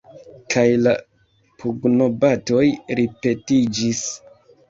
Kaj la pugnobatoj ripetiĝis.